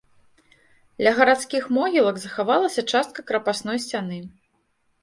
Ля гарадскіх могілак захавалася частка крапасной сцяны.